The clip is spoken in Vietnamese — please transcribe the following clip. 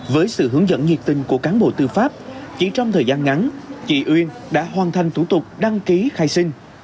với sự hướng dẫn nhiệt tình của cán bộ tư pháp chỉ trong thời gian ngắn chị uyên đã hoàn thành thủ tục đăng ký khai sinh